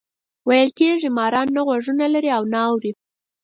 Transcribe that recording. ویل کېږي ماران نه غوږونه لري او نه اوري.